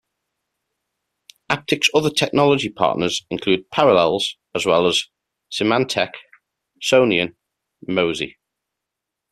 Apptix's other technology partners include Parallels, as well as Symantec, Sonian, Mozy.